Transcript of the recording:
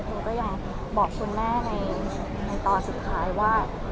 หนูก็ยังบอกคุณแม่ในตอนสุดท้ายว่า